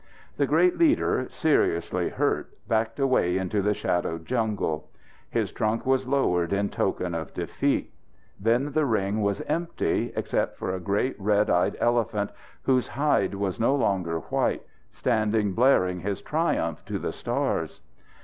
The great leader, seriously hurt, backed away into the shadowed jungle. His trunk was lowered in token of defeat. Then the ring was empty except for a great red eyed elephant, whose hide was no longer white, standing blaring his triumph to the stars.